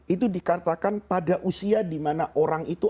itu dikatakan pada usia dimana orang itu